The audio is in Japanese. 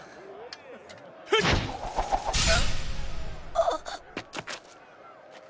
あっ。